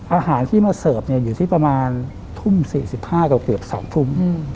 อาหารที่มาเสิร์ฟอยู่ที่ประมาณทุ่ม๔๕กับเกือบ๒ทุ่ม